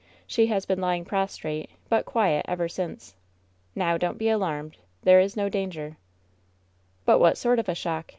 She has been lying prostrate, but quiet, ever since. Now, don't be alarmed ; there is no danger." "But what sort of a shock